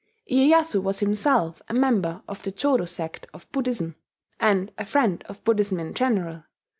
Iyeyasu was himself a member of the Jodo sect of Buddhism, and a friend of Buddhism in general.